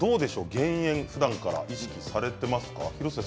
減塩はふだんから意識されていますか。